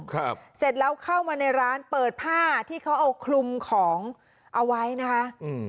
เสร็จแล้วเข้ามาในร้านเปิดผ้าที่เขาเอาคลุมของเอาไว้นะคะอืม